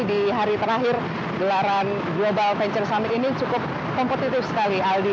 di hari terakhir gelaran global venture summit ini cukup kompetitif sekali aldi